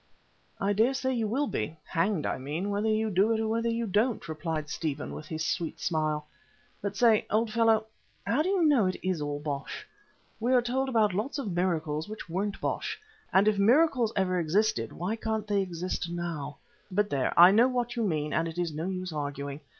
"I dare say you will be hanged I mean whether you do it or whether you don't," replied Stephen with his sweet smile. "But I say, old fellow, how do you know it is all bosh? We are told about lots of miracles which weren't bosh, and if miracles ever existed, why can't they exist now? But there, I know what you mean and it is no use arguing.